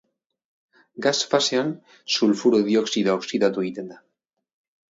Gas fasean sulfuro dioxidoa oxidatu egiten da.